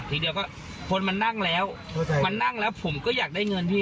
ทีเดียวก็คนมันนั่งแล้วมันนั่งแล้วผมก็อยากได้เงินพี่